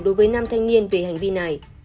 đối với nam thanh niên về hành vi này